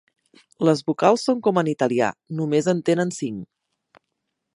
Les vocals són com en italià, només en tenen cinc.